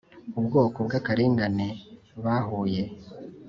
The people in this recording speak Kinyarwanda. Ubwoko bw akarengane bahuye